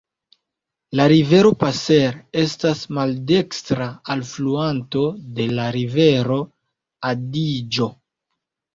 La rivero Passer estas maldekstra alfluanto de la rivero Adiĝo.